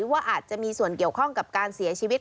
ว่าอาจจะมีส่วนเกี่ยวข้องกับการเสียชีวิต